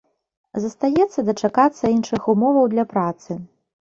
Застаецца дачакацца іншых умоваў для працы.